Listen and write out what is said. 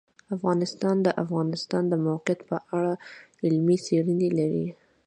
افغانستان د د افغانستان د موقعیت په اړه علمي څېړنې لري.